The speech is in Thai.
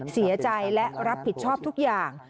เสียใจและรับผิดชอบทุกอย่าง